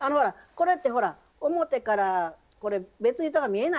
これってほら表から別糸が見えないでしょ？